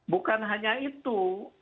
bukan hanya itu